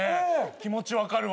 気持ち分かるわ。